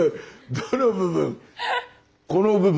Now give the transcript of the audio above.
どの部分。